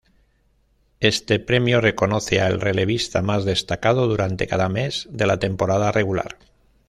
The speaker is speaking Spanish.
Este premio reconoce al relevista más destacado durante cada mes de la temporada regular.